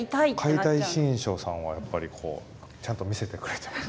「解体新書」さんはやっぱりこうちゃんと見せてくれてます。